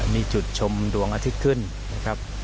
มีจุดชมดวงอาทิตย์ขึ้นนะครับ